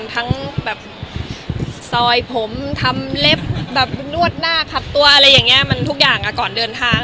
ทั้งซอยผมทำเล็บนวดหน้าพับตัวทุกอย่างก่อนเดินทาง